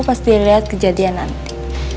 pas dilihat kejadian nanti